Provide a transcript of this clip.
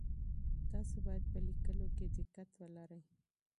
تاسو باید په لیکلو کي دقت ولرئ.